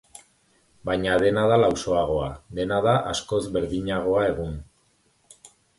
Baina dena da lausoagoa, dena da askoz berdinagoa egun.